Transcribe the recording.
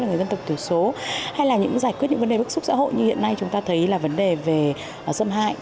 người dân tộc thiểu số hay là những giải quyết những vấn đề bức xúc xã hội như hiện nay chúng ta thấy là vấn đề về xâm hại